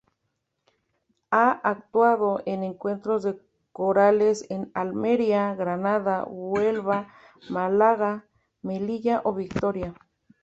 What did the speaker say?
Ha actuado en encuentros de corales en Almería, Granada, Huelva, Málaga, Melilla o Vitoria.